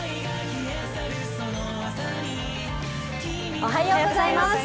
おはようございます。